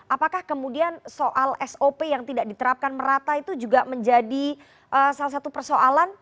apakah kemudian soal sop yang tidak diterapkan merata itu juga menjadi salah satu persoalan